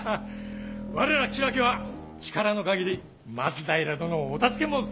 我ら吉良家は力の限り松平殿をお助け申す！